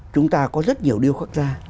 chúng ta có rất nhiều điều khác ra